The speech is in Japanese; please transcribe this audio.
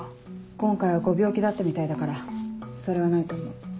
今回はご病気だったみたいだからそれはないと思う。